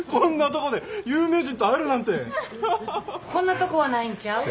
こんなとこはないんちゃう。